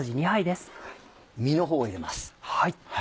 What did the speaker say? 身のほうを入れます。